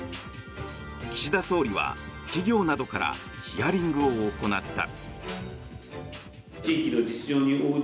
岸田総理は企業などからヒアリングを行った。